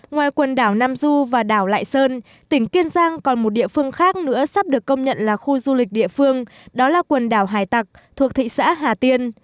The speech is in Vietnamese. ngoài quần đảo nam du và đảo lại sơn tỉnh kiên giang còn một địa phương khác nữa sắp được công nhận là khu du lịch địa phương đó là quần đảo hải tạc thuộc thị xã hà tiên